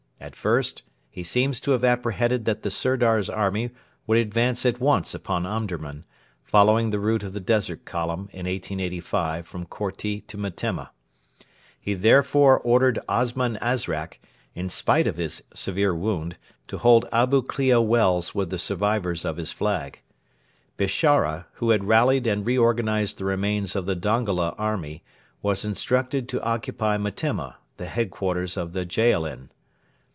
At first he seems to have apprehended that the Sirdar's army would advance at once upon Omdurman, following the route of the Desert Column in 1885 from Korti to Metemma. He therefore ordered Osman Azrak in spite of his severe wound to hold Abu Klea Wells with the survivors of his flag. Bishara, who had rallied and reorganised the remains of the Dongola army, was instructed to occupy Metemma, the headquarters of the Jaalin.